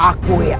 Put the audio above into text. aku akan menerima